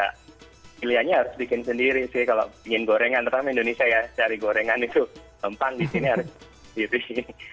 kalau di sini ya pilihannya harus bikin sendiri sih kalau ingin gorengan terutama indonesia ya cari gorengan itu tempat di sini harus